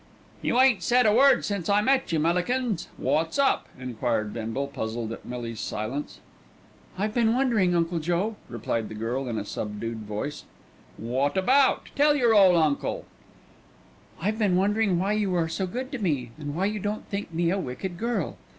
"You ain't said a word since I met you, Millikins. Wot's up?" enquired Bindle, puzzled at Millie's silence. "I've been wondering, Uncle Joe," replied the girl in a subdued voice. "Wot about? Tell yer ole uncle." "I've been wondering why you are so good to me, and why you don't think me a wicked girl."